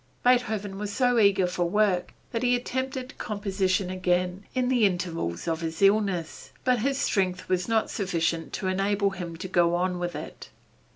Beethoven was so eager for work that he attempted composition again in the intervals of his illness, but his strength was not sufficient to enable him to go on with it.